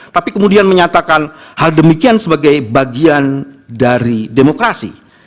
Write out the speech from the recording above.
tapi kemudian menyatakan hal demikian sebagai bagian dari demokrasi